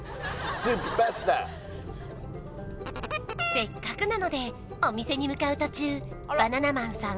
せっかくなのでお店に向かう途中バナナマンさん